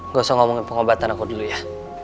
gak usah ngomongin pengobatan aku dulu ya